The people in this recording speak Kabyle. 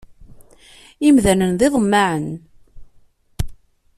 Imdanen d iḍemmaɛen.